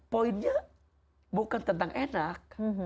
poinnya bukan tentang enak